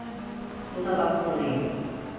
Buna bakmalıyım.